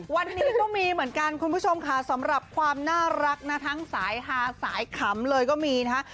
วันนี้ก็มีเหมือนกันคุณผู้ชมค่ะสำหรับความน่ารักนะทั้งสายฮาสายขำเลยก็มีนะฮะ